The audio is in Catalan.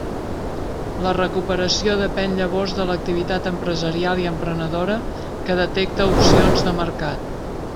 La recuperació depén llavors de l'activitat empresarial i emprenedora que detecta opcions de mercat.